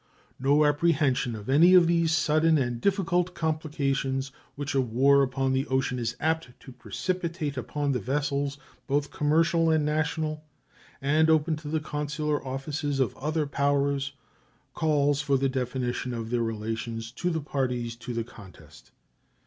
No apprehension of any of those sudden and difficult complications which a war upon the ocean is apt to precipitate upon the vessels, both commercial and national, and upon the consular officers of other powers calls for the definition of their relations to the parties to the contest.